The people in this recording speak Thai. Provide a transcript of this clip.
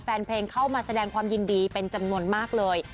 แฟนเพลงเข้ามาแสดงความยินดีเป็นจำนวนมากเลย